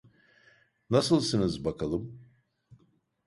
Nasılsınız bakalım?